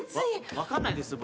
分かんないです僕。